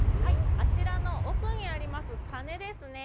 あちらの奥にあります鐘ですね。